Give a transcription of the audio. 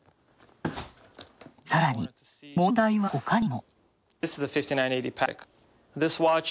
さらに問題は他にも。